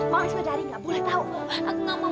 mas my darling abu lah tau